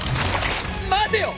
待てよ！